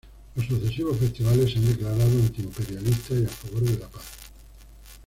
Los sucesivos festivales se han declarado anti-imperialistas y a favor de la paz.